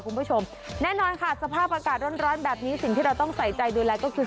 คุณผู้ชมแน่นอนค่ะสภาพอากาศร้อนแบบนี้สิ่งที่เราต้องใส่ใจดูแลก็คือ